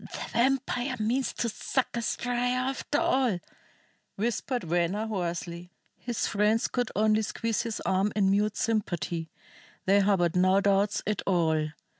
"The vampire means to suck us dry after all!" whispered Venner hoarsely. His friends could only squeeze his arm in mute sympathy. They harbored no doubts at all.